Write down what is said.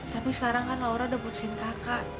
tapi sekarang kan laura udah putusin kakak